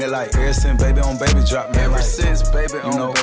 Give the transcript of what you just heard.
setelah itu orang orang menangkap gue